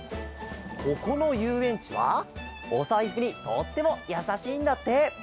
ここのゆうえんちはおさいふにとってもやさしいんだって。